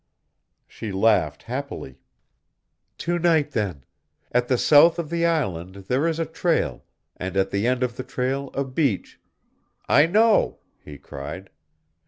She laughed happily. "To night, then. At the south of the island there is a trail, and at the end of the trail a beach " "I know!" he cried.